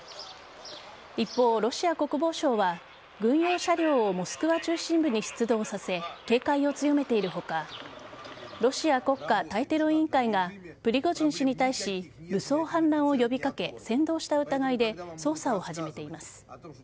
一方、ロシア国防省は軍用車両をモスクワ中心部に出動させ警戒を強めている他ロシア国家対テロ委員会がプリゴジン氏に対し武装反乱を呼び掛け扇動した疑いで捜査を始めています。